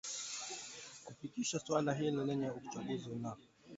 kufikisha suala hilo kwenye uchaguzi ujao wa kati kati ya mhula mwezi wa Novemba